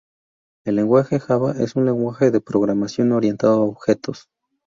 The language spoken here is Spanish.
El lenguaje Java es un lenguaje de programación orientado a objetos.